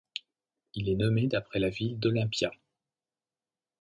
Il est nommé d'après la ville d'Olympia.